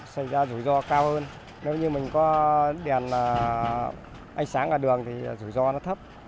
xảy ra rủi ro cao hơn nếu như mình có đèn ánh sáng ra đường thì rủi ro nó thấp